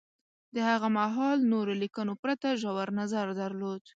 د هغه مهال نورو لیکنو پرتله ژور نظر درلود